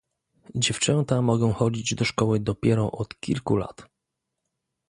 Dziewczęta mogą chodzić do szkoły dopiero od kilku lat